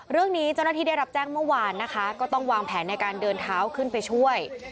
เรื่องนี้เจ้าหน้าที่ได้รับแจ้งเมื่อวานนะคะก็ต้องวางแผนในการเดินเท้าขึ้นไปช่วย